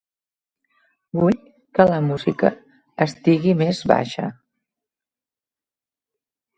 Vull que la música estigui més baixa.